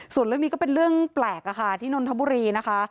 ส่วนเรื่องนี้ก็เป็นเรื่องแปลกที่นนทบุรีนะคะ